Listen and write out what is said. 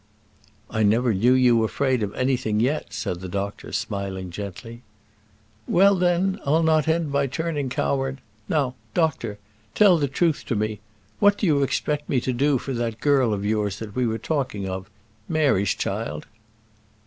"I never knew you afraid of anything yet," said the doctor, smiling gently. "Well, then, I'll not end by turning coward. Now, doctor, tell the truth to me; what do you expect me to do for that girl of yours that we were talking of Mary's child?"